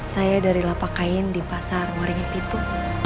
saya dari pasar waringin pitu